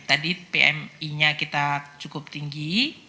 tadi pmi nya kita cukup tinggi